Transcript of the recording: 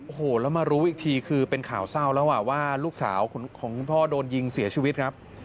โอ้โหแล้วมารู้อีกทีคือเป็นข่าวเศร้าแล้วว่าลูกสาวของคุณพ่อโดนยิงเสียชีวิตครับ